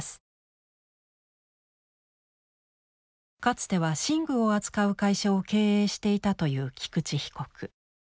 かつては寝具を扱う会社を経営していたという菊池被告。